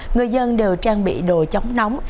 người dân đều trang bị đồ chống nóng